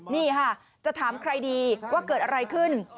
นี่ค่ะจะถามใครดีว่าเกิดอะไรขึ้น